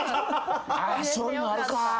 そういうのあるか。